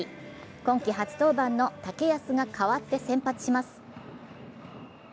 今季初登板の竹安が代わって先発します。